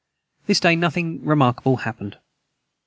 This day nothing remarkable hapned.